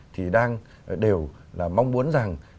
thì đang đều là mong muốn rằng